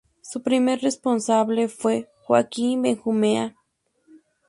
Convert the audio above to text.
Su primer responsable fue Joaquín Benjumea.